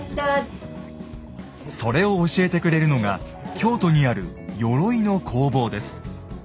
それを教えてくれるのが京都にある鎧の工房です。